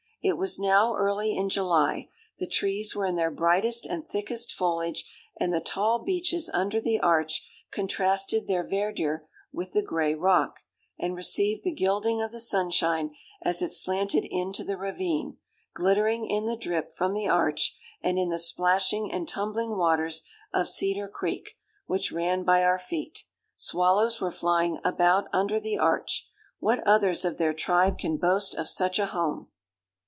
It was now early in July; the trees were in their brightest and thickest foliage; and the tall beeches under the arch contrasted their verdure with the grey rock, and received the gilding of the sunshine, as it slanted into the ravine, glittering in the drip from the arch, and in the splashing and tumbling waters of Cedar Creek, which ran by our feet. Swallows were flying about under the arch. What others of their tribe can boast of such a home?